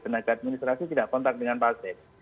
tenaga administrasi tidak kontak dengan pasien